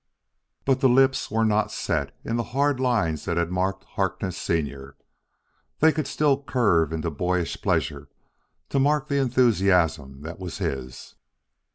But the lips were not set in the hard lines that had marked Harkness Senior; they could still curve into boyish pleasure to mark the enthusiasm that was his.